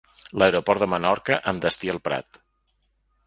L'aeroport de Menorca amb destí el Prat.